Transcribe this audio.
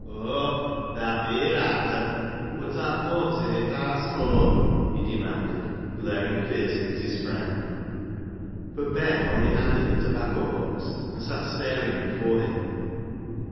" Oh, tha'rt theer arta ? Wot art mopesin' i' th' haase fur ?" he demanded, glaring fiercely at his friend, but Ben only handed the tobacco box and sat staring before him.